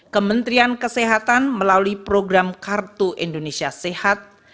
kementerian kesehatan melalui program kartu indonesia sehat